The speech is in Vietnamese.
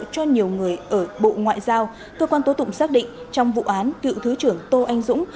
cho nhiều người ở bộ ngoại giao cơ quan tố tụng xác định trong vụ án cựu thứ trưởng tô anh dũng